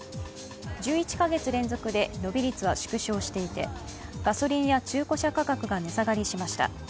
１１か月連続で伸び率は縮小していて、ガソリンや中古車価格が値下がりしました。